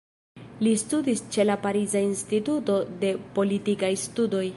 Li studis ĉe la Pariza Instituto de Politikaj Studoj.